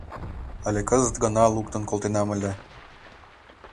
Але кызыт гына луктын колтенам ыле.